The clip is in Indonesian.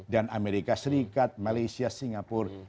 dan amerika serikat malaysia singapura